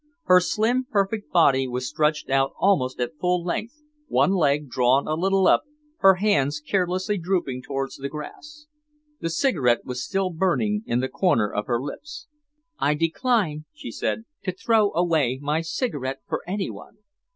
Her slim, perfect body was stretched almost at full length, one leg drawn a little up, her hands carelessly drooping towards the grass. The cigarette was still burning in the corner of her lips. "I decline," she said, "to throw away my cigarette for any one."